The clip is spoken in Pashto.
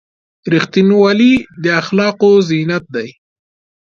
• رښتینولي د اخلاقو زینت دی.